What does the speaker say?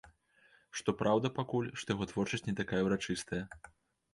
Што праўда, пакуль што яго творчасць не такая ўрачыстая.